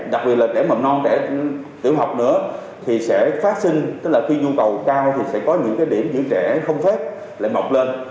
đặc biệt là để mầm non trẻ tiểu học nữa thì sẽ phát sinh tức là khi nhu cầu cao thì sẽ có những cái điểm giữ trẻ không phép lại mọc lên